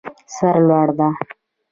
سر لوړه ده.